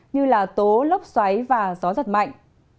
như tố lốc xoáy và gió thật mạnh